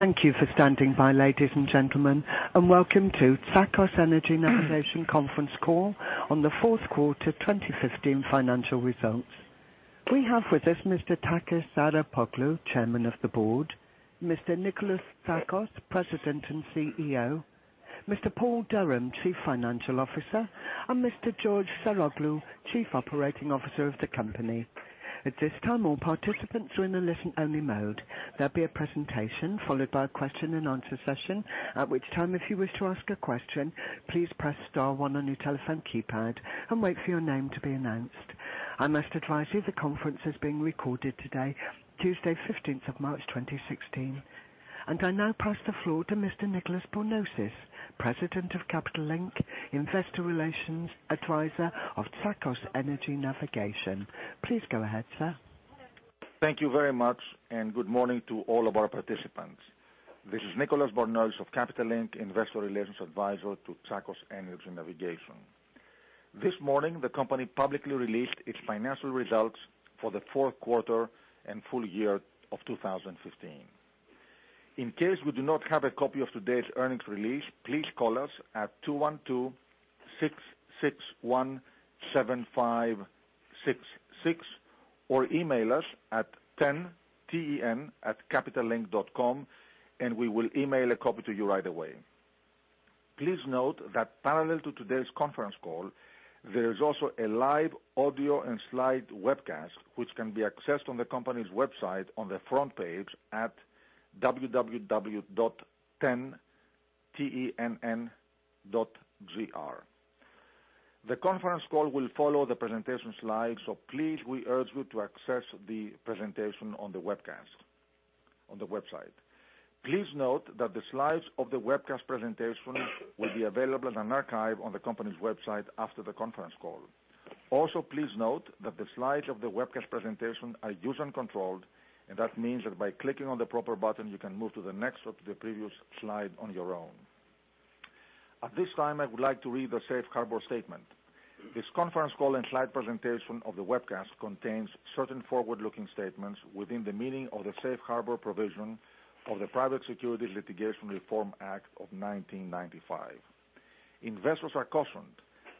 Thank you for standing by, ladies and gentlemen, and welcome to Tsakos Energy Navigation conference call on the fourth quarter 2015 financial results. We have with us Mr. Takis Arapoglou, Chairman of the Board, Mr. Nikolas Tsakos, President and CEO, Mr. Paul Durham, Chief Financial Officer, and Mr. George Saroglou, Chief Operating Officer of the company. At this time, all participants are in a listen-only mode. There'll be a presentation followed by a question-and-answer session. At which time, if you wish to ask a question, please press star one on your telephone keypad and wait for your name to be announced. I must advise you the conference is being recorded today, Tuesday, 15th of March 2016. I now pass the floor to Mr. Nicolas Bornozis, President of Capital Link, Investor Relations Advisor of Tsakos Energy Navigation. Please go ahead, sir. Thank you very much. Good morning to all of our participants. This is Nicolas Bornozis of Capital Link, investor relations advisor to Tsakos Energy Navigation. This morning, the company publicly released its financial results for the fourth quarter and full year of 2015. In case you do not have a copy of today's earnings release, please call us at 212-661-7566 or email us at tenn, T-E-N, @capitallink.com and we will email a copy to you right away. Please note that parallel to today's conference call, there is also a live audio and slide webcast which can be accessed on the company's website on the front page at www.tenn.gr. The conference call will follow the presentation slides. Please, we urge you to access the presentation on the webcast on the website. Please note that the slides of the webcast presentation will be available as an archive on the company's website after the conference call. Please note that the slides of the webcast presentation are user-controlled, and that means that by clicking on the proper button you can move to the next or to the previous slide on your own. At this time, I would like to read the safe harbor statement. This conference call and slide presentation of the webcast contains certain forward-looking statements within the meaning of the Safe Harbor provision of the Private Securities Litigation Reform Act of 1995. Investors are cautioned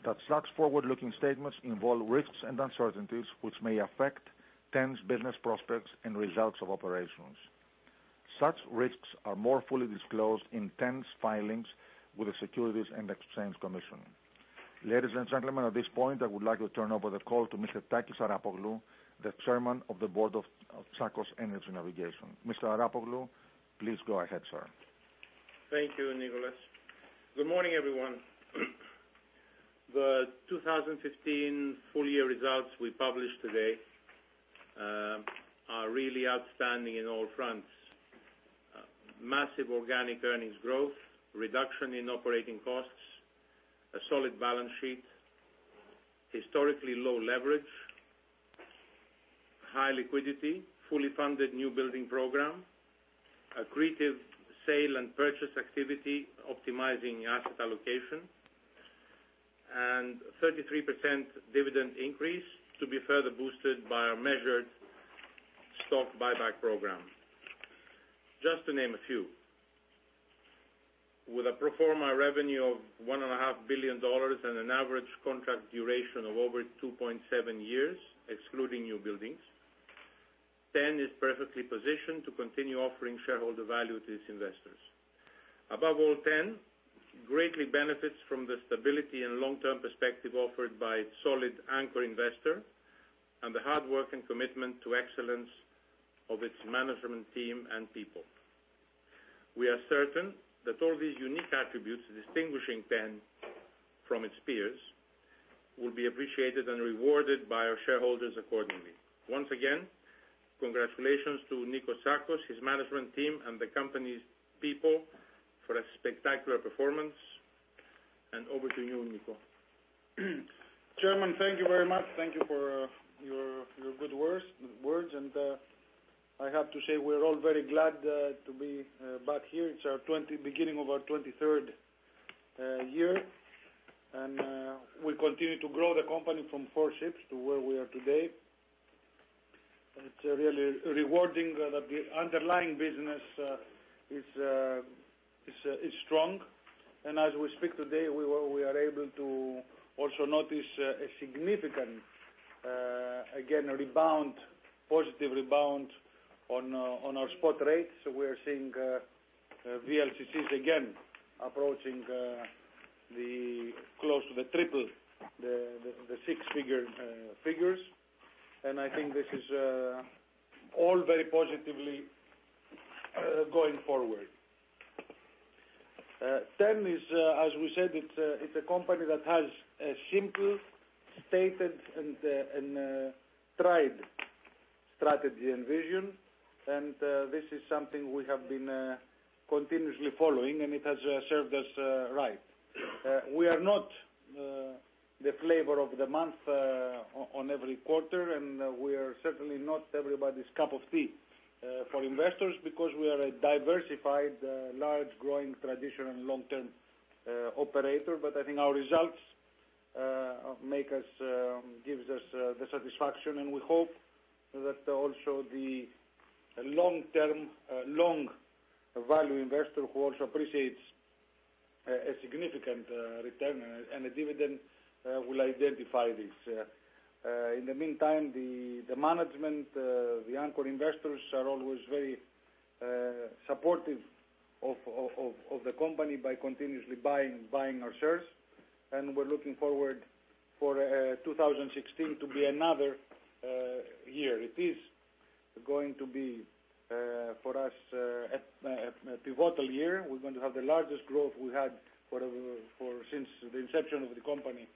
that such forward-looking statements involve risks and uncertainties which may affect TEN's business prospects and results of operations. Such risks are more fully disclosed in TEN's filings with the Securities and Exchange Commission. Ladies and gentlemen, at this point, I would like to turn over the call to Mr. Takis Arapoglou, the Chairman of the Board of Tsakos Energy Navigation. Mr. Arapoglou, please go ahead, sir. Thank you, Nicolas. Good morning, everyone. The 2015 full-year results we published today are really outstanding in all fronts. Massive organic earnings growth, reduction in operating costs, a solid balance sheet, historically low leverage, high liquidity, fully funded newbuilding program, accretive sale and purchase activity optimizing asset allocation, and 33% dividend increase to be further boosted by our measured stock buyback program. Just to name a few. With a pro forma revenue of $1.5 billion and an average contract duration of over 2.7 years, excluding newbuildings, TEN is perfectly positioned to continue offering shareholder value to its investors. Above all, TEN greatly benefits from the stability and long-term perspective offered by its solid anchor investor and the hard work and commitment to excellence of its management team and people. We are certain that all these unique attributes distinguishing TEN from its peers will be appreciated and rewarded by our shareholders accordingly. Once again, congratulations to Nico Tsakos, his management team, and the company's people for a spectacular performance. Over to you, Nico. Chairman, thank you very much. Thank you for your good words. I have to say, we're all very glad to be back here. It's our beginning of our 23rd year, and we continue to grow the company from four ships to where we are today. It's really rewarding that the underlying business is strong. As we speak today, we are able to also notice a significant, again, positive rebound on our spot rates. We are seeing VLCCs again approaching close to the triple the six figures. I think this is all very positively going forward. TEN is as we said, it's a company that has a simple stated and tried strategy and vision, and this is something we have been continuously following, and it has served us right. We are not the flavor of the month on every quarter, and we are certainly not everybody's cup of tea for investors because we are a diversified, large, growing, traditional, and long-term operator. I think our results gives us the satisfaction, and we hope that also the long-term, long value investor who also appreciates a significant return and a dividend will identify this. In the meantime, the management, the anchor investors are always very supportive of the company by continuously buying our shares. We're looking forward for 2016 to be another year. It is going to be, for us, a pivotal year. We're going to have the largest growth we had since the inception of the company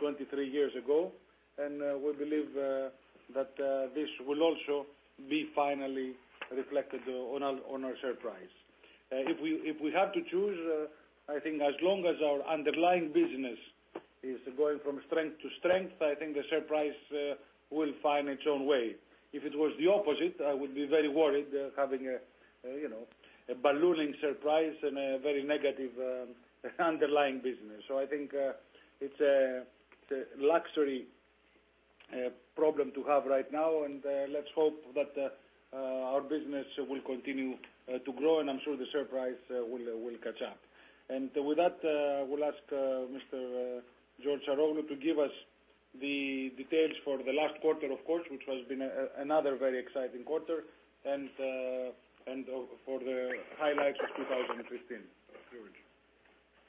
23 years ago, and we believe that this will also be finally reflected on our share price. If we have to choose, I think as long as our underlying business is going from strength to strength, I think the share price will find its own way. If it was the opposite, I would be very worried having a ballooning share price and a very negative underlying business. I think it's a luxury problem to have right now, and let's hope that our business will continue to grow, and I'm sure the share price will catch up. With that, I will ask Mr. George Saroglou to give us the details for the last quarter, of course, which has been another very exciting quarter, and for the highlights of 2015. George?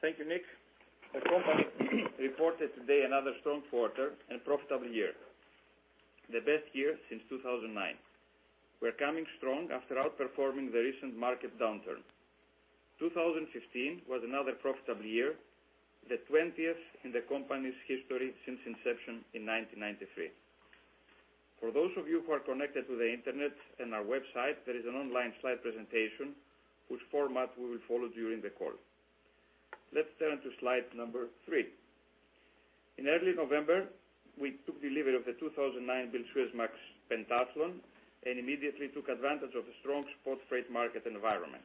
Thank you, Nik. The company reported today another strong quarter and profitable year, the best year since 2009. We're coming strong after outperforming the recent market downturn. 2015 was another profitable year, the 20th in the company's history since inception in 1993. For those of you who are connected to the Internet and our website, there is an online slide presentation, which format we will follow during the call. Let's turn to slide number three. In early November, we took delivery of the 2009-built Suezmax Pentathlon, and immediately took advantage of the strong spot freight market environment.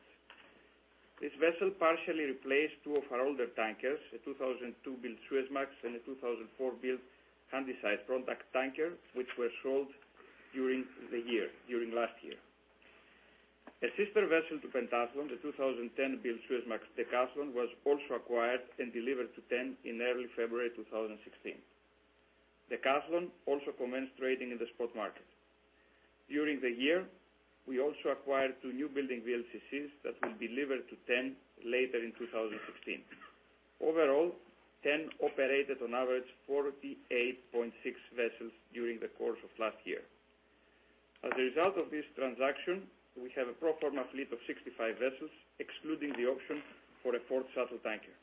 This vessel partially replaced two of our older tankers, a 2002-built Suezmax and a 2004-built Handysize product tanker, which were sold during the year, during last year. A sister vessel to Pentathlon, the 2010-built Suezmax Decathlon, was also acquired and delivered to TEN in early February 2016. Decathlon also commenced trading in the spot market. During the year, we also acquired two newbuilding VLCCs that will be delivered to TEN later in 2016. Overall, TEN operated on average 48.6 vessels during the course of last year. As a result of this transaction, we have a pro forma fleet of 65 vessels, excluding the option for a fourth shuttle tanker.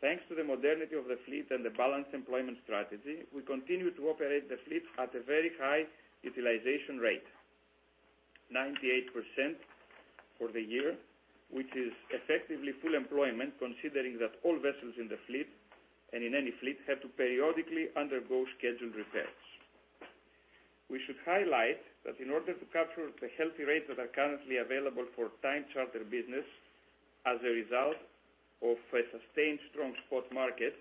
Thanks to the modernity of the fleet and the balanced employment strategy, we continue to operate the fleet at a very high utilization rate, 98% for the year, which is effectively full employment, considering that all vessels in the fleet and in any fleet have to periodically undergo scheduled repairs. We should highlight that in order to capture the healthy rates that are currently available for time charter business as a result of a sustained strong spot market,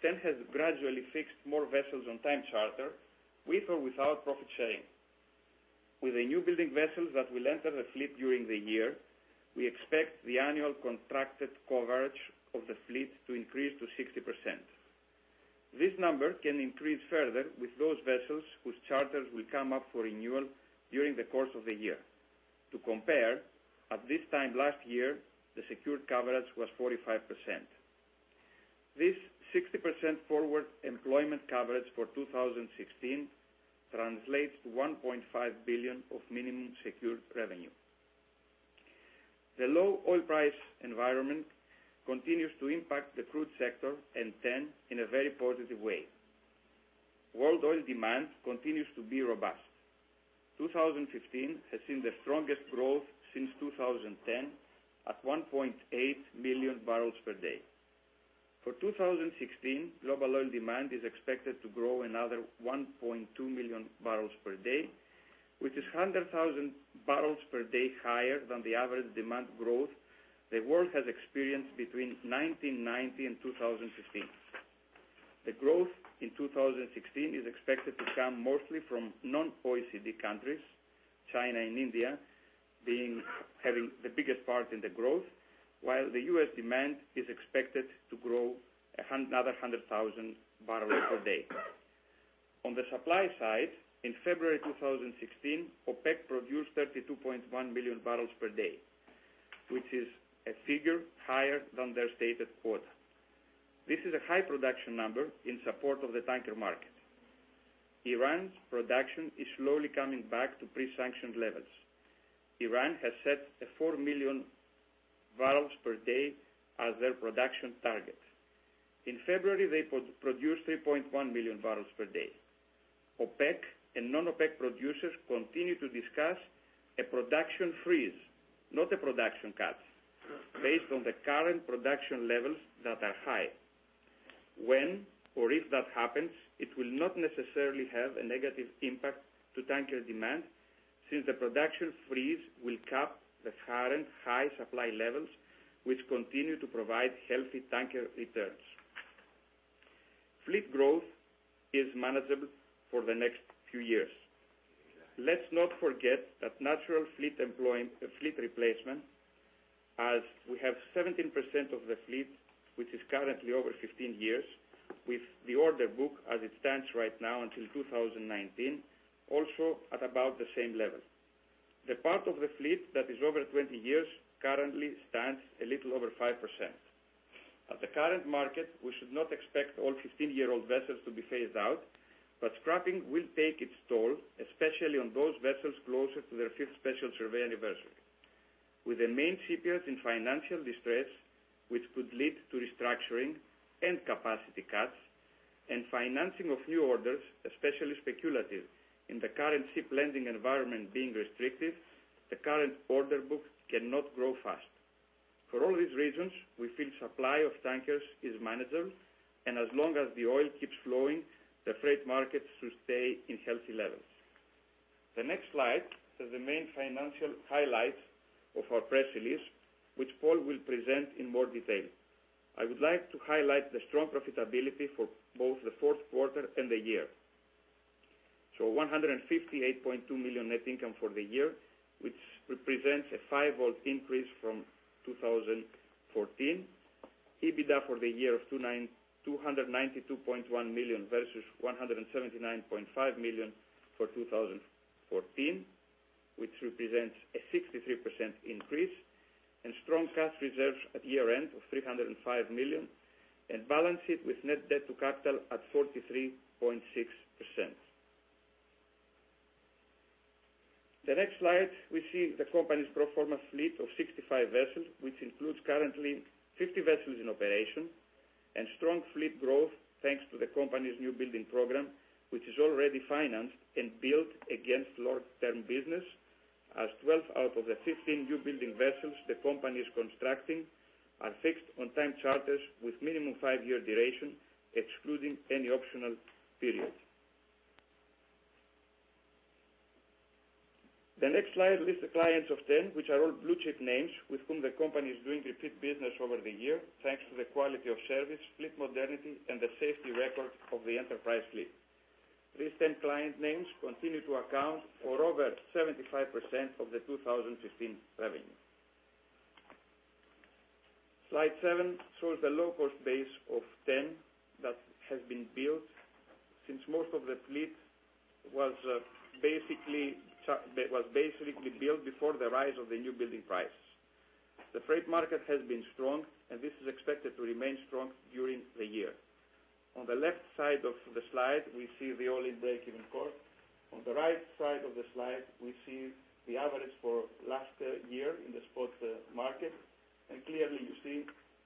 TEN has gradually fixed more vessels on time charter with or without profit sharing. With the newbuilding vessels that will enter the fleet during the year, we expect the annual contracted coverage of the fleet to increase to 60%. This number can increase further with those vessels whose charters will come up for renewal during the course of the year. To compare, at this time last year, the secured coverage was 45%. This 60% forward employment coverage for 2016 translates to $1.5 billion of minimum secured revenue. The low oil price environment continues to impact the crude sector and TEN in a very positive way. World oil demand continues to be robust. 2015 has seen the strongest growth since 2010 at 1.8 million barrels per day. For 2016, global oil demand is expected to grow another 1.2 million barrels per day, which is 100,000 barrels per day higher than the average demand growth the world has experienced between 1990 and 2015. The growth in 2016 is expected to come mostly from non-OECD countries, China and India having the biggest part in the growth, while the U.S. demand is expected to grow another 100,000 barrels per day. On the supply side, in February 2016, OPEC produced 32.1 million barrels per day, which is a figure higher than their stated quota. This is a high production number in support of the tanker market. Iran's production is slowly coming back to pre-sanction levels. Iran has set a 4 million barrels per day as their production target. In February, they produced 3.1 million barrels per day. OPEC and non-OPEC producers continue to discuss a production freeze, not a production cut, based on the current production levels that are high. When or if that happens, it will not necessarily have a negative impact to tanker demand. Since the production freeze will cap the current high supply levels, which continue to provide healthy tanker returns. Fleet growth is manageable for the next few years. Let's not forget that natural fleet replacement, as we have 17% of the fleet, which is currently over 15 years, with the order book as it stands right now until 2019, also at about the same level. The part of the fleet that is over 20 years currently stands a little over 5%. At the current market, we should not expect all 15-year-old vessels to be phased out, but scrapping will take its toll, especially on those vessels closer to their fifth special survey anniversary. With the main shipyards in financial distress, which could lead to restructuring and capacity cuts, and financing of new orders, especially speculative in the current ship lending environment being restrictive, the current order book cannot grow fast. For all these reasons, we feel supply of tankers is manageable, and as long as the oil keeps flowing, the freight markets should stay in healthy levels. The next slide has the main financial highlights of our press release, which Paul will present in more detail. I would like to highlight the strong profitability for both the fourth quarter and the year. $158.2 million net income for the year, which represents a fivefold increase from 2014. EBITDA for the year of $292.1 million versus $179.5 million for 2014, which represents a 63% increase, and strong cash reserves at year-end of $305 million, and balanced with net debt to capital at 43.6%. The next slide, we see the company's pro forma fleet of 65 vessels, which includes currently 50 vessels in operation and strong fleet growth, thanks to the company's newbuilding program, which is already financed and built against long-term business, as 12 out of the 15 newbuilding vessels the company is constructing are fixed on time charters with minimum five-year duration, excluding any optional periods. The next slide lists the clients of TEN, which are all blue-chip names with whom the company is doing repeat business over the year, thanks to the quality of service, fleet modernity, and the safety record of the Enterprise fleet. These 10 client names continue to account for over 75% of the 2015 revenue. Slide seven shows the low-cost base of TEN that has been built since most of the fleet was basically built before the rise of the newbuilding prices. The freight market has been strong, this is expected to remain strong during the year. On the left side of the slide, we see the all-in break-even cost. On the right side of the slide, we see the average for last year in the spot market. Clearly you see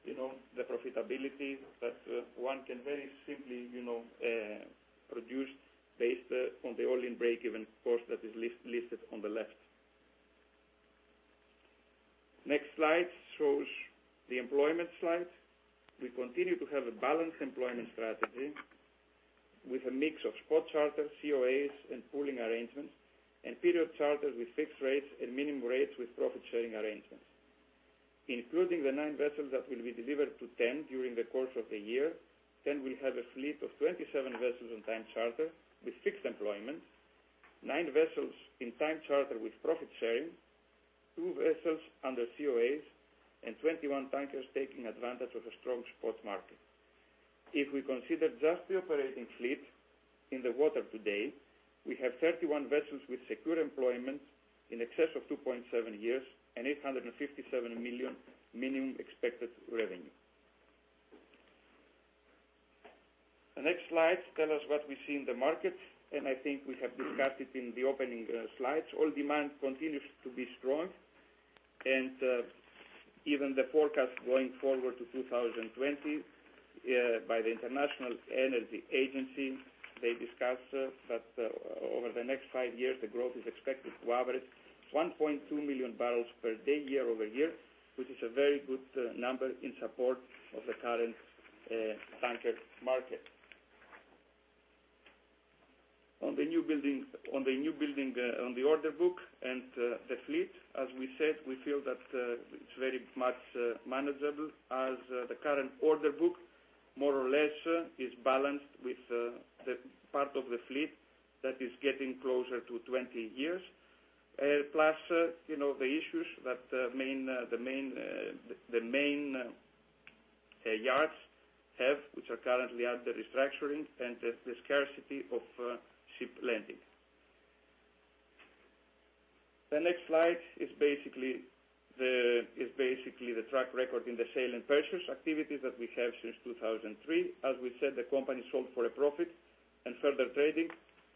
the profitability that one can very simply produce based on the all-in break-even cost that is listed on the left. Next slide shows the employment slide. We continue to have a balanced employment strategy with a mix of spot charters, COAs, and pooling arrangements, and period charters with fixed rates and minimum rates with profit-sharing arrangements. Including the nine vessels that will be delivered to TEN during the course of the year, TEN will have a fleet of 27 vessels on time charter with fixed employment, nine vessels in time charter with profit sharing, two vessels under COAs, and 21 tankers taking advantage of the strong spot market. If we consider just the operating fleet in the water today, we have 31 vessels with secure employment in excess of 2.7 years and $857 million minimum expected revenue. The next slides tell us what we see in the market, I think we have discussed it in the opening slides. Oil demand continues to be strong. Even the forecast going forward to 2020 by the International Energy Agency, they discussed that over the next five years, the growth is expected to average 1.2 million barrels per day year-over-year, which is a very good number in support of the current tanker market. On the newbuilding on the order book and the fleet, as we said, we feel that it's very much manageable as the current order book more or less is balanced with the part of the fleet that is getting closer to 20 years. Plus, the issues that the main yards have, which are currently under restructuring and the scarcity of ship lending. The next slide is basically the track record in the sale and purchase activities that we have since 2003. As we said, the company sold for a profit and further trading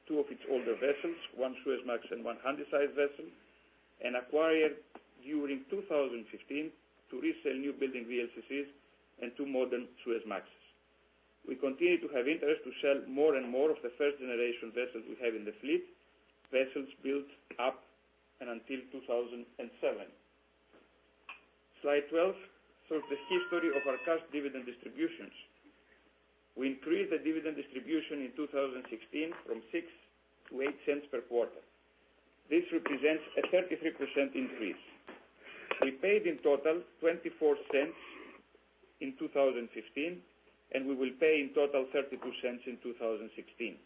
two of its older vessels, one Suezmax and one Handysize vessel, and acquired during 2015 to resell newbuilding VLCCs and two modern Suezmaxes. We continue to have interest to sell more and more of the first-generation vessels we have in the fleet, vessels built up and until 2007. Slide 12 shows the history of our cash dividend distributions. We increased the dividend distribution in 2016 from $0.06 to $0.08 per quarter. This represents a 33% increase. We paid in total $0.24 in 2015, we will pay in total $0.32 in 2016.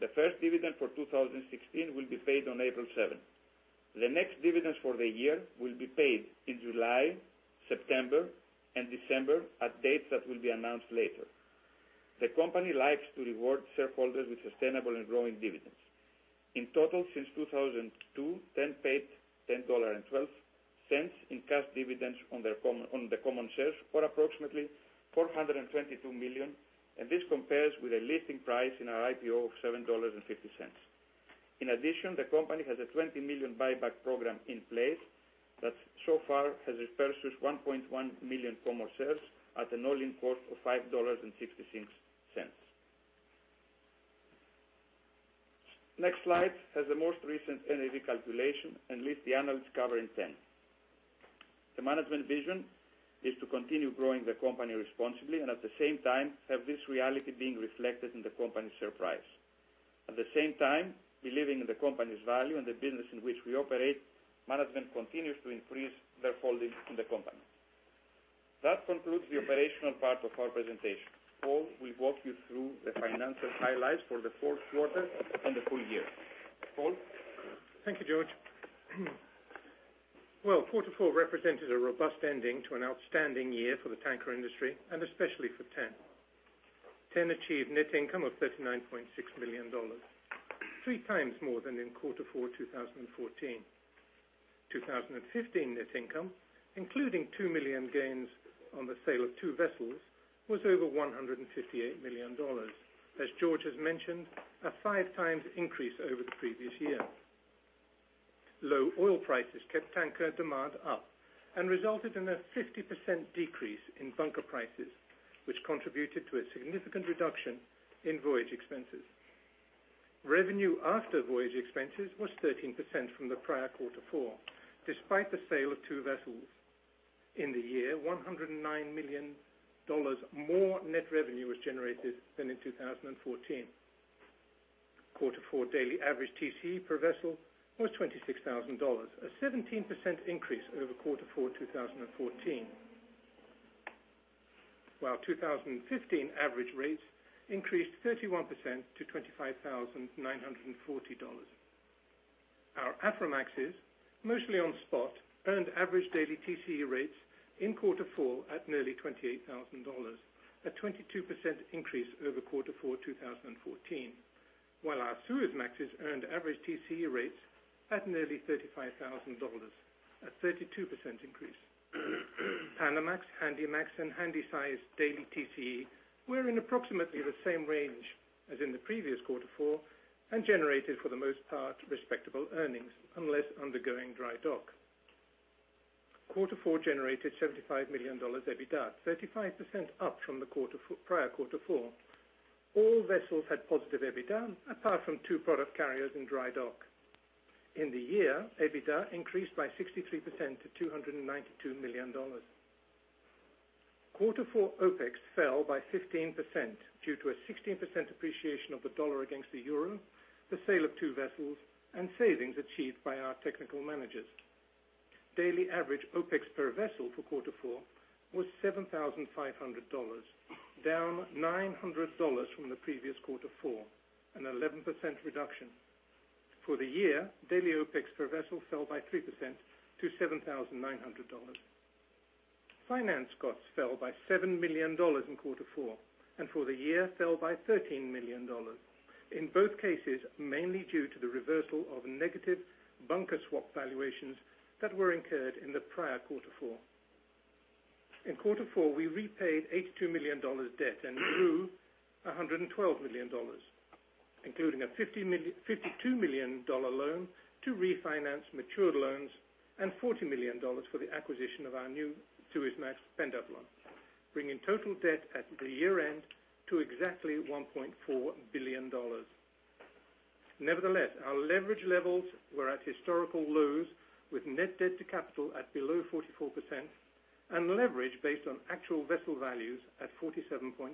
The first dividend for 2016 will be paid on April seventh. The next dividends for the year will be paid in July, September, and December at dates that will be announced later. The company likes to reward shareholders with sustainable and growing dividends. In total, since 2002, TEN paid $10.12 in cash dividends on the common shares for approximately $422 million. This compares with a listing price in our IPO of $7.50. In addition, the company has a $20 million buyback program in place that so far has repurchased 1.1 million common shares at an all-in cost of $5.66. Next slide has the most recent NAV calculation and lists the analysts' coverage in TEN. The management vision is to continue growing the company responsibly and at the same time, have this reality being reflected in the company's share price. At the same time, believing in the company's value and the business in which we operate, management continues to increase their holdings in the company. That concludes the operational part of our presentation. Paul will walk you through the financial highlights for the fourth quarter and the full year. Paul? Thank you, George. Quarter four represented a robust ending to an outstanding year for the tanker industry and especially for TEN. TEN achieved net income of $39.6 million, three times more than in quarter four 2014. 2015 net income, including $2 million gains on the sale of two vessels, was over $158 million. As George has mentioned, a five times increase over the previous year. Low oil prices kept tanker demand up and resulted in a 50% decrease in bunker prices, which contributed to a significant reduction in voyage expenses. Revenue after voyage expenses was 13% from the prior quarter four, despite the sale of two vessels. In the year, $109 million more net revenue was generated than in 2014. Quarter four daily average TCE per vessel was $26,000, a 17% increase over quarter four 2014. While 2015 average rates increased 31% to $25,940. Our Aframaxes, mostly on spot, earned average daily TCE rates in quarter four at nearly $28,000, a 22% increase over quarter four 2014. While our Suezmaxes earned average TCE rates at nearly $35,000, a 32% increase. Panamax, Handymax, and Handysize daily TCE were in approximately the same range as in the previous quarter four and generated, for the most part, respectable earnings, unless undergoing dry dock. Quarter four generated $75 million EBITDA, 35% up from the prior quarter four. All vessels had positive EBITDA, apart from two product carriers in dry dock. In the year, EBITDA increased by 63% to $292 million. Quarter four OPEX fell by 15% due to a 16% appreciation of the dollar against the euro, the sale of two vessels, and savings achieved by our technical managers. Daily average OPEX per vessel for quarter four was $7,500, down $900 from the previous quarter four, an 11% reduction. For the year, daily OPEX per vessel fell by 3% to $7,900. Finance costs fell by $7 million in quarter four, and for the year fell by $13 million. In both cases, mainly due to the reversal of negative bunker swap valuations that were incurred in the prior quarter four. In quarter four, we repaid $82 million debt and grew $112 million, including a $52 million loan to refinance matured loans and $40 million for the acquisition of our new Suezmax, Pentathlon. Bringing total debt at the year-end to exactly $1.4 billion. Nevertheless, our leverage levels were at historical lows, with net debt to capital at below 44% and leverage based on actual vessel values at 47.5%.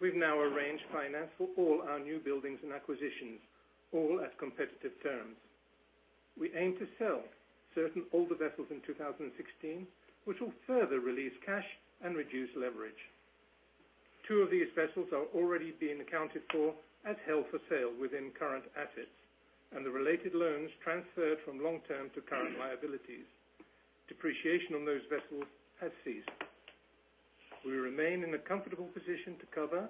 We've now arranged finance for all our newbuildings and acquisitions, all at competitive terms. We aim to sell certain older vessels in 2016, which will further release cash and reduce leverage. Two of these vessels are already being accounted for as held for sale within current assets, and the related loans transferred from long-term to current liabilities. Depreciation on those vessels has ceased. We remain in a comfortable position to cover,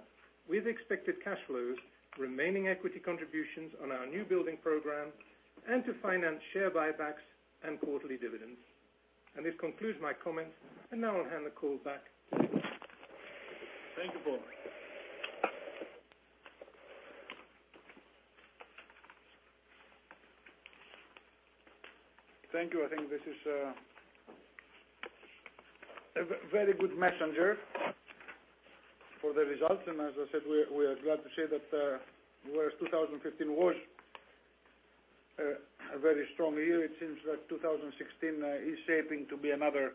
with expected cash flows, remaining equity contributions on our newbuilding program, and to finance share buybacks and quarterly dividends. This concludes my comments, and now I'll hand the call back to George. Thank you, Paul. Thank you. I think this is A very good messenger for the results. As I said, we are glad to say that whereas 2015 was a very strong year, it seems that 2016 is shaping to be another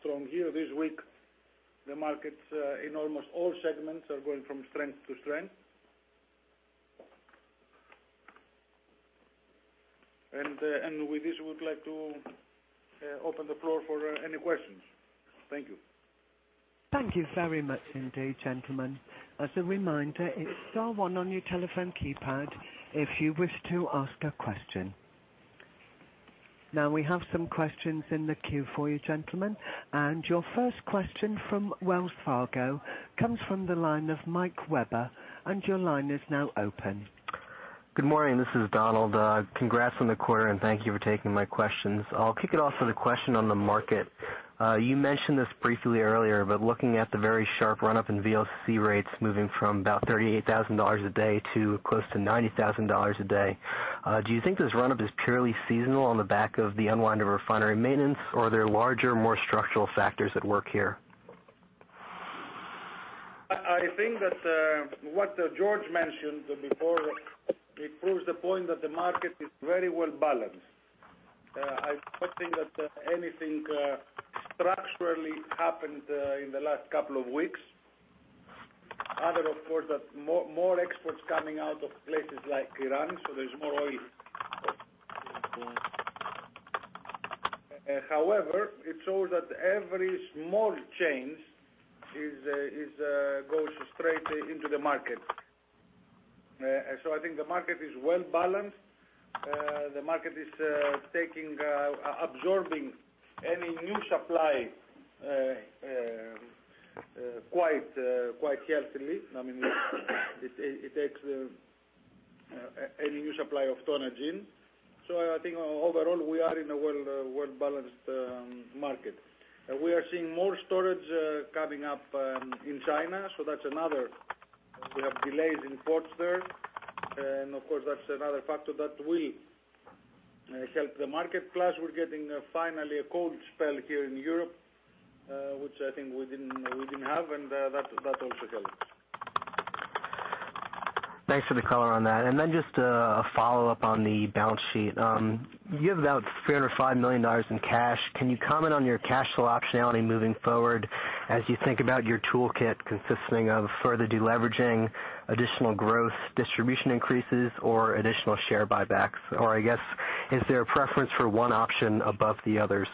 strong year. This week, the markets in almost all segments are going from strength to strength. With this, we would like to open the floor for any questions. Thank you. Thank you very much indeed, gentlemen. As a reminder, it's star one on your telephone keypad if you wish to ask a question. We have some questions in the queue for you, gentlemen. Your first question from Wells Fargo comes from the line of Mike Webber, and your line is now open. Good morning. This is Donald. Congrats on the quarter, and thank you for taking my questions. I'll kick it off with a question on the market. You mentioned this briefly earlier, but looking at the very sharp run-up in VLCC rates moving from about $38,000 a day to close to $90,000 a day. Do you think this run-up is purely seasonal on the back of the unwind of refinery maintenance? Are there larger, more structural factors at work here? I think that what George mentioned before, it proves the point that the market is very well balanced. I don't think that anything structurally happened in the last couple of weeks. Other, of course, that more exports coming out of places like Iran, so there's more oil. However, it shows that every small change goes straight into the market. I think the market is well balanced. The market is absorbing any new supply quite healthily. I mean, it takes any new supply of tonnage in. I think overall, we are in a well-balanced market. We are seeing more storage coming up in China, so that's another. We have delays in ports there. Of course, that's another factor that will help the market. We're getting finally a cold spell here in Europe, which I think we didn't have, and that also helps. Thanks for the color on that. Just a follow-up on the balance sheet. You have about $305 million in cash. Can you comment on your cash flow optionality moving forward as you think about your toolkit consisting of further de-leveraging, additional growth, distribution increases, or additional share buybacks? I guess, is there a preference for one option above the others?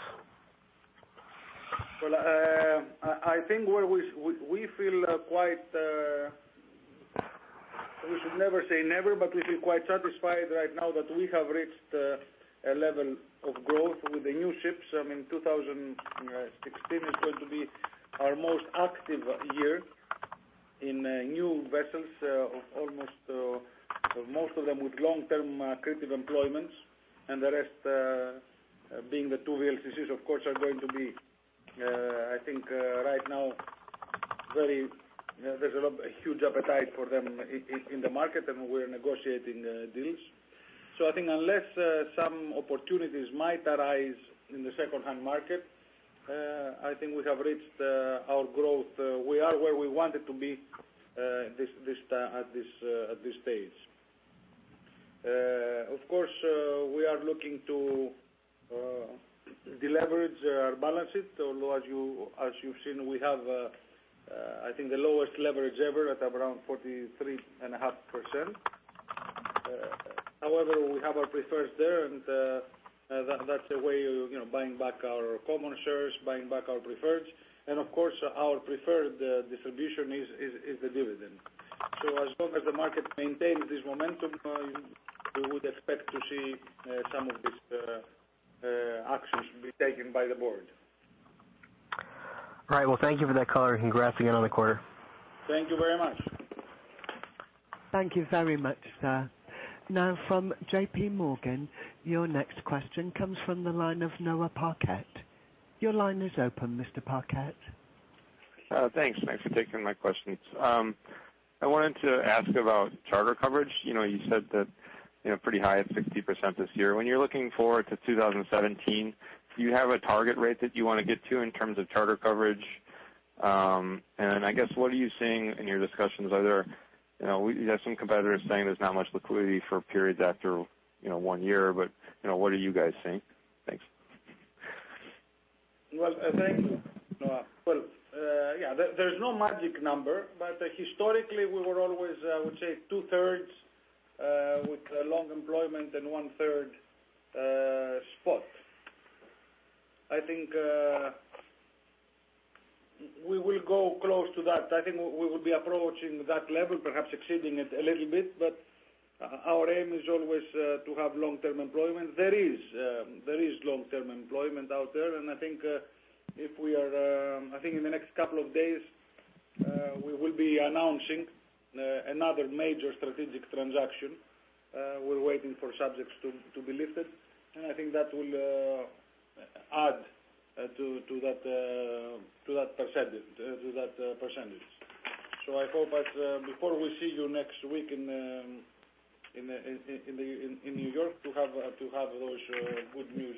I think we should never say never, but we feel quite satisfied right now that we have reached a level of growth with the new ships. I mean, 2016 is going to be our most active year in new vessels, most of them with long-term creative employments and the rest being the two VLCCs, of course, I think right now there's a huge appetite for them in the market, and we're negotiating deals. I think unless some opportunities might arise in the secondhand market, I think we have reached our growth. We are where we wanted to be at this stage. Of course, we are looking to deleverage our balance sheet, although, as you've seen, we have I think the lowest leverage ever at around 43.5%. However, we have our preferreds there, buying back our common shares, buying back our preferreds. Of course, our preferred distribution is the dividend. As long as the market maintains this momentum, we would expect to see some of these actions be taken by the board. All right. Thank you for that color. Congrats again on the quarter. Thank you very much. Thank you very much, sir. From JPMorgan, your next question comes from the line of Noah Parquette. Your line is open, Mr. Parquette. Thanks for taking my questions. I wanted to ask about charter coverage. You said that pretty high at 60% this year. When you're looking forward to 2017, do you have a target rate that you want to get to in terms of charter coverage? I guess what are you seeing in your discussions? You have some competitors saying there's not much liquidity for periods after one year, what are you guys seeing? Thanks. Well, thanks, Noah. There's no magic number, historically, we were always, I would say, two-thirds with long employment and one-third spot. I think we will go close to that. I think we will be approaching that level, perhaps exceeding it a little bit, our aim is always to have long-term employment. There is long-term employment out there, I think in the next couple of days, we will be announcing another major strategic transaction. We're waiting for subjects to be lifted, I think that will add to that percentage. I hope that before we see you next week in New York to have those good news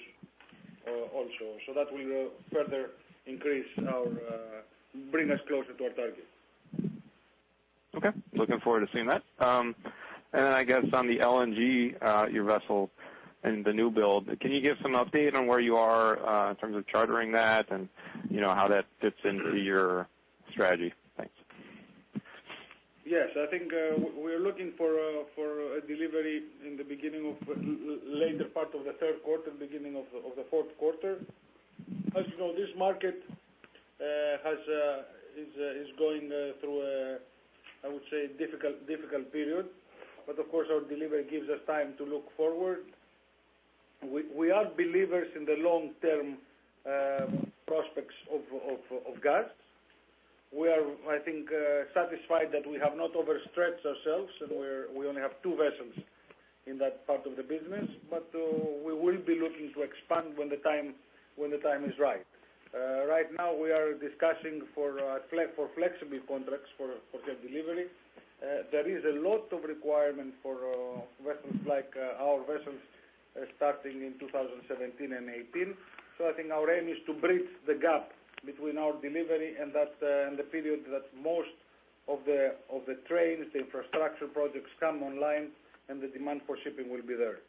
also. That will further increase our, bring us closer to our target. Okay. Looking forward to seeing that. Then, I guess on the LNG, your vessel and the newbuilding, can you give some update on where you are in terms of chartering that and how that fits into your strategy? Thanks. Yes. I think we're looking for a delivery in the beginning of later part of the third quarter, beginning of the fourth quarter. As you know, this market is going through a, I would say, difficult period, but of course, our delivery gives us time to look forward. We are believers in the long-term prospects of gas. We are, I think, satisfied that we have not overstretched ourselves, and we only have two vessels in that part of the business. We will be looking to expand when the time is right. Right now, we are discussing for flexible contracts for that delivery. There is a lot of requirement for vessels like our vessels starting in 2017 and 2018. I think our aim is to bridge the gap between our delivery and the period that most of the trains, the infrastructure projects come online, and the demand for shipping will be there.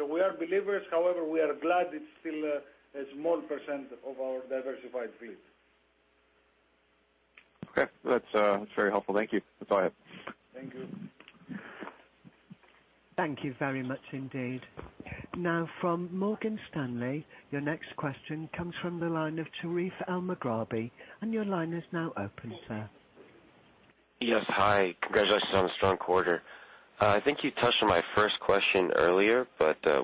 We are believers. However, we are glad it's still a small % of our diversified fleet. Okay. That's very helpful. Thank you. That's all I have. Thank you. Thank you very much indeed. From Morgan Stanley, your next question comes from the line of Fotis Giannakoulis, and your line is now open, sir. Yes. Hi. Congratulations on the strong quarter. I think you touched on my first question earlier.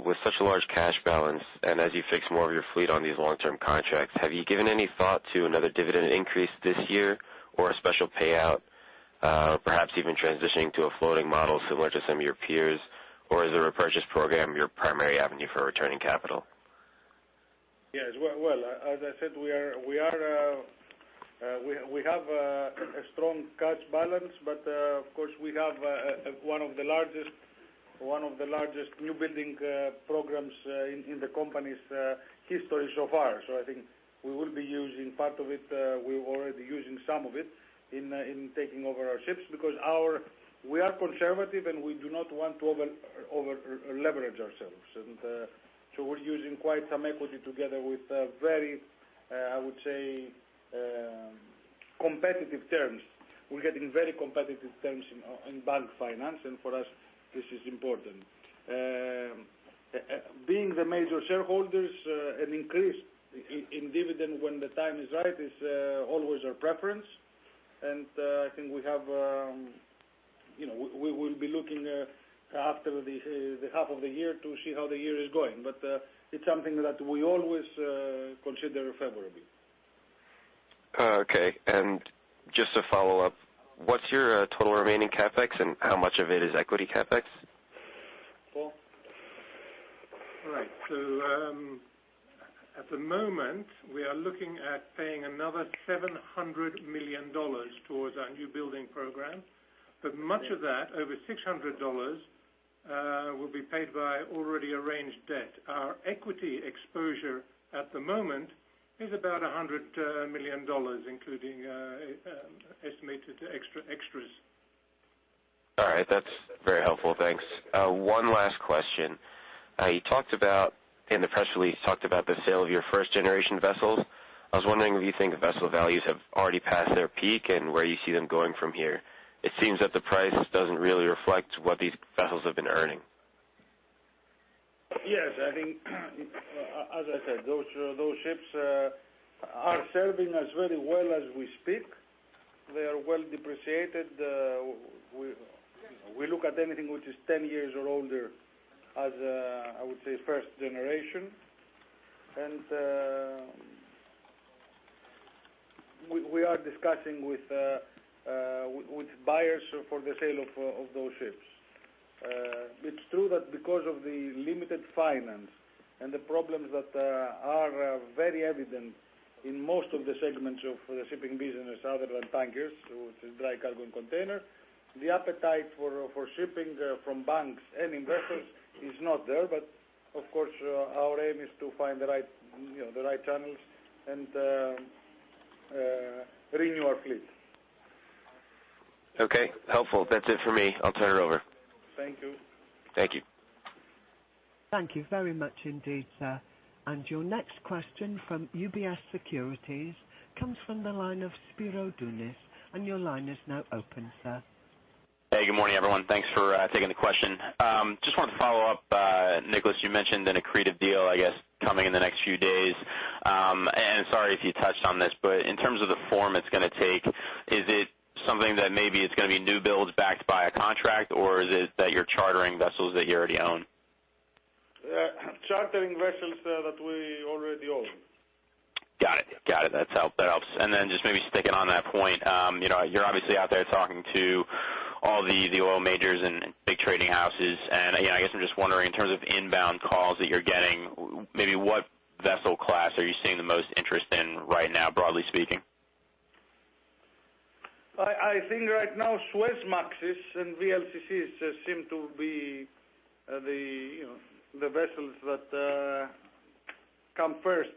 With such a large cash balance and as you fix more of your fleet on these long-term contracts, have you given any thought to another dividend increase this year or a special payout, perhaps even transitioning to a floating model similar to some of your peers? Is the repurchase program your primary avenue for returning capital? Yes. Well, as I said, we have a strong cash balance. Of course, we have one of the largest newbuilding programs in the company's history so far. I think we will be using part of it. We're already using some of it in taking over our ships because we are conservative, and we do not want to over-leverage ourselves. We're using quite some equity together with very, I would say, competitive terms. We're getting very competitive terms in bank finance, and for us, this is important. Being the major shareholders, an increase in dividend when the time is right is always our preference. I think we will be looking after the half of the year to see how the year is going. It's something that we always consider favorably. Okay. Just to follow up, what's your total remaining CapEx, and how much of it is equity CapEx? Paul? Right. At the moment, we are looking at paying another $700 million towards our newbuilding program, but much of that, over $600 million, will be paid by already arranged debt. Our equity exposure at the moment is about $100 million, including estimated extras. All right. That's very helpful. Thanks. One last question. You talked about, in the press release, the sale of your first-generation vessels. I was wondering if you think the vessel values have already passed their peak, and where you see them going from here. It seems that the price doesn't really reflect what these vessels have been earning. Yes. I think, as I said, those ships are serving us very well as we speak. They are well depreciated. We look at anything which is 10 years or older as, I would say, first generation. We are discussing with buyers for the sale of those ships. It is true that because of the limited finance and the problems that are very evident in most of the segments of the shipping business other than tankers, so it is dry cargo and container, the appetite for shipping from banks and investors is not there. Of course, our aim is to find the right channels and renew our fleet. Okay. Helpful. That's it for me. I'll turn it over. Thank you. Thank you. Thank you very much indeed, sir. Your next question from UBS Securities comes from the line of Spiro Dounis, your line is now open, sir. Hey, good morning, everyone. Thanks for taking the question. Just wanted to follow up. Nikolas, you mentioned an accretive deal, I guess, coming in the next few days. Sorry if you touched on this, but in terms of the form it's going to take, is it something that maybe it's going to be newbuildings backed by a contract, or is it that you're chartering vessels that you already own? Chartering vessels that we already own. Got it. That helps. Then just maybe sticking on that point. You're obviously out there talking to all the oil majors and big trading houses. Again, I guess I'm just wondering in terms of inbound calls that you're getting, maybe what vessel class are you seeing the most interest in right now, broadly speaking? I think right now Suezmaxes and VLCCs seem to be the vessels that come first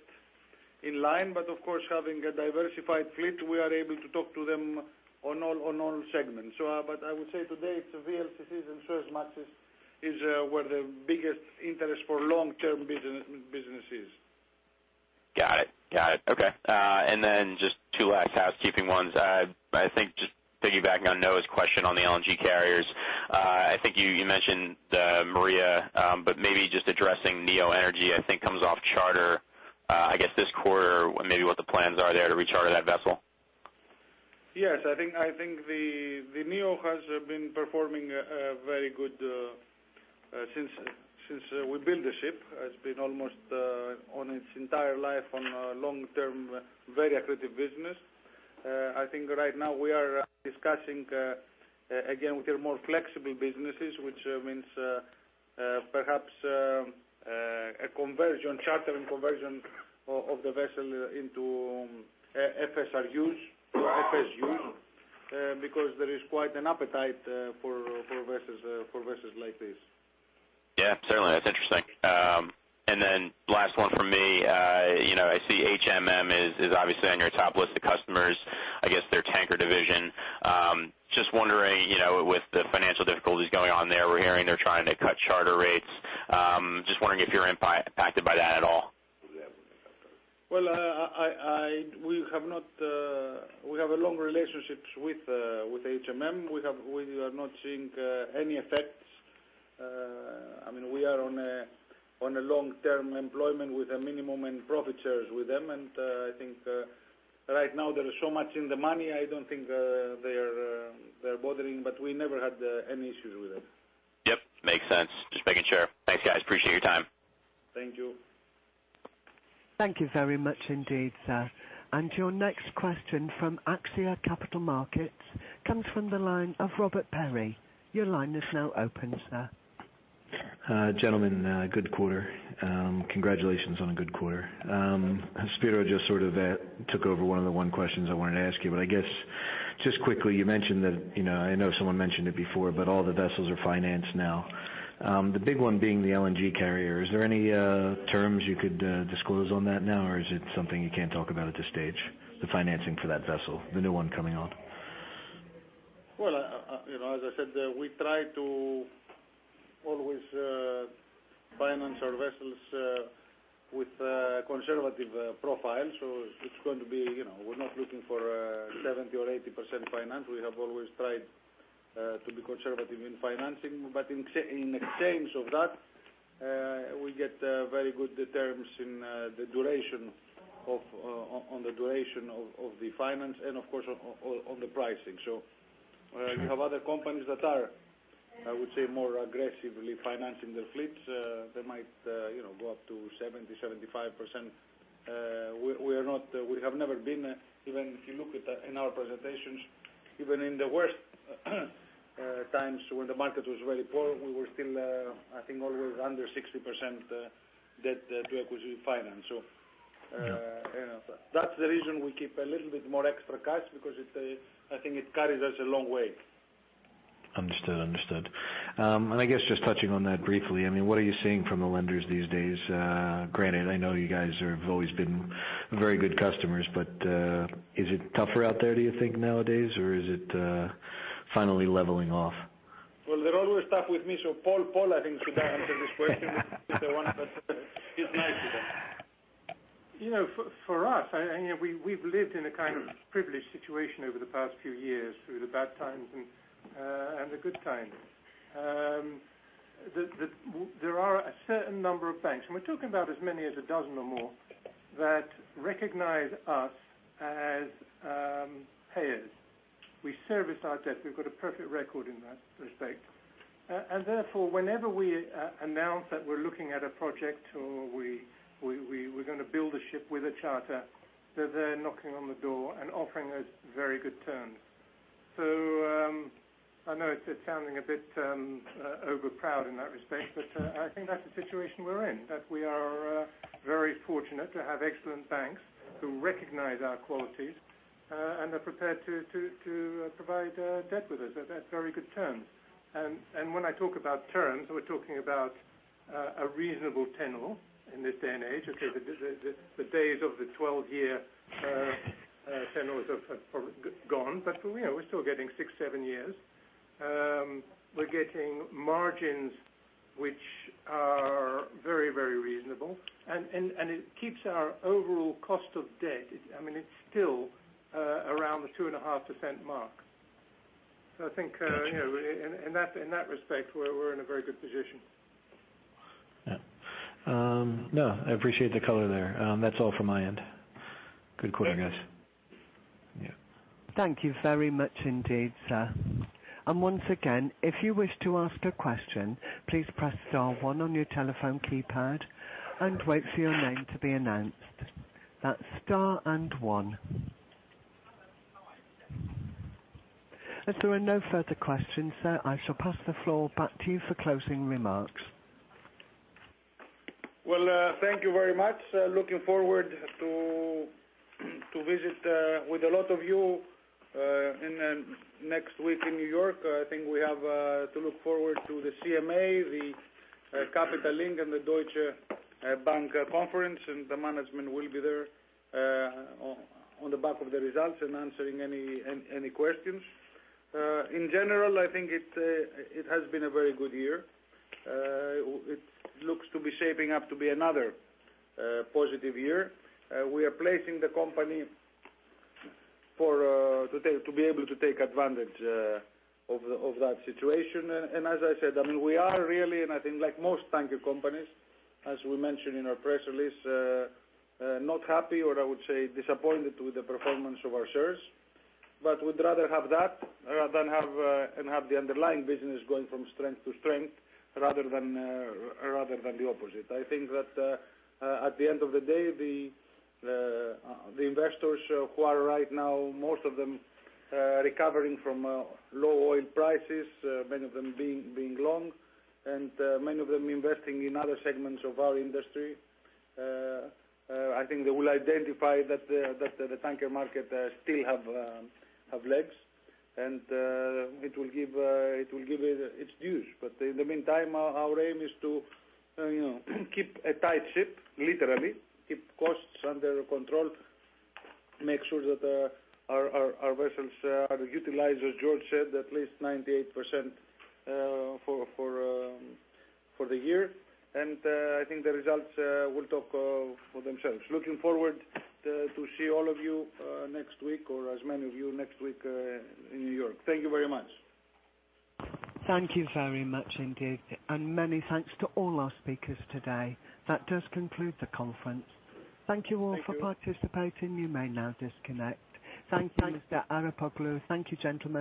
in line. Of course, having a diversified fleet, we are able to talk to them on all segments. I would say today it's VLCCs and Suezmaxes is where the biggest interest for long-term business is. Got it. Okay. Then just two last housekeeping ones. I think just piggybacking on Noah's question on the LNG carriers. I think you mentioned Maria, but maybe just addressing Neo Energy, I think comes off charter, I guess, this quarter, maybe what the plans are there to recharter that vessel. Yes, I think the Neo has been performing very good since we built the ship. It has been almost on its entire life on a long-term, very accretive business. I think right now we are discussing, again, with your more flexible businesses, which means perhaps a charter and conversion of the vessel into FSRUs or FSUs, because there is quite an appetite for vessels like this. Yeah, certainly. That's interesting. Last one from me. I see HMM is obviously on your top list of customers, I guess their tanker division. Just wondering, with the financial difficulties going on there, we're hearing they're trying to cut charter rates. Just wondering if you're impacted by that at all. Well, we have a long relationship with HMM. We are not seeing any effects. We are on a long-term employment with a minimum in profit shares with them, and I think right now they're so much in the money, I don't think they're bothering, but we never had any issues with them. Yep, makes sense. Just making sure. Thanks, guys. Appreciate your time. Thank you. Thank you very much indeed, sir. Your next question from AXIA Capital Markets comes from the line of Robert Perri. Your line is now open, sir. Gentlemen, good quarter. Congratulations on a good quarter. Spiro just sort of took over one of the questions I wanted to ask you, but I guess just quickly, you mentioned that, I know someone mentioned it before, but all the vessels are financed now. The big one being the LNG carrier. Is there any terms you could disclose on that now, or is it something you can't talk about at this stage? The financing for that vessel, the new one coming on. Well, as I said, we try to always finance our vessels with a conservative profile. It's going to be, we're not looking for a 70% or 80% finance. We have always tried to be conservative in financing. In exchange of that, we get very good terms on the duration of the finance and of course, on the pricing. You have other companies that are, I would say, more aggressively financing their fleets. They might go up to 70%-75%. We have never been, even if you look in our presentations, even in the worst times when the market was very poor, we were still I think always under 60% debt to equity finance. Yeah That's the reason we keep a little bit more extra cash because I think it carries us a long way. Understood. I guess just touching on that briefly, what are you seeing from the lenders these days? Granted, I know you guys have always been very good customers, but is it tougher out there, do you think, nowadays, or is it finally leveling off? They're always tough with me. Paul, I think should answer this question better than I could. For us, we've lived in a kind of privileged situation over the past few years through the bad times and the good times. There are a certain number of banks, and we're talking about as many as a dozen or more that recognize us as payers. We service our debt. We've got a perfect record in that respect. Therefore, whenever we announce that we're looking at a project or we're going to build a ship with a charter, they're there knocking on the door and offering us very good terms. I know it's sounding a bit over proud in that respect, but I think that's the situation we're in, that we are very fortunate to have excellent banks who recognize our qualities and are prepared to provide debt with us at very good terms. When I talk about terms, we're talking about a reasonable tenure in this day and age. The days of the 12-year tenures are gone. We're still getting six, seven years. We're getting margins which are very reasonable. It keeps our overall cost of debt, it's still around the 2.5% mark. I think in that respect, we're in a very good position. Yeah. No, I appreciate the color there. That's all from my end. Good quarter, guys. Thank you. Yeah. Thank you very much indeed, sir. Once again, if you wish to ask a question, please press star one on your telephone keypad and wait for your name to be announced. That's star and one. There are no further questions, sir, I shall pass the floor back to you for closing remarks. Well, thank you very much. Looking forward to visit with a lot of you next week in New York. I think we have to look forward to the CMA, the Capital Link, and the Deutsche Bank conference, and the management will be there on the back of the results and answering any questions. In general, I think it has been a very good year. It looks to be shaping up to be another positive year. We are placing the company to be able to take advantage of that situation. As I said, we are really, and I think like most tanker companies, as we mentioned in our press release, not happy or I would say disappointed with the performance of our shares, but would rather have that than have the underlying business going from strength to strength rather than the opposite. I think that at the end of the day, the investors who are right now, most of them are recovering from low oil prices, many of them being long, and many of them investing in other segments of our industry. I think they will identify that the tanker market still have legs, and it will give its dues. In the meantime, our aim is to keep a tight ship, literally, keep costs under control, make sure that our vessels are utilized, as George said, at least 98% for the year. I think the results will talk for themselves. Looking forward to see all of you next week or as many of you next week in New York. Thank you very much. Thank you very much indeed. Many thanks to all our speakers today. That does conclude the conference. Thank you all for participating. You may now disconnect. Thank you, Mr. Arapoglou. Thank you, gentlemen.